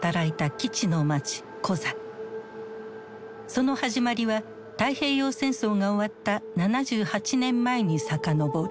その始まりは太平洋戦争が終わった７８年前に遡る。